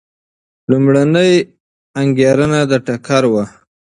لومړنۍ انګېرنه د ټکر وه.